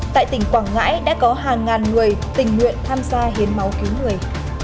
tại tỉnh quảng ngãi đã có hàng ngàn người tình nguyện tham gia hiến máu cứu người